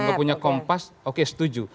untuk punya kompas oke setuju